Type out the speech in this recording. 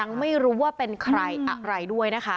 ยังไม่รู้ว่าเป็นใครอะไรด้วยนะคะ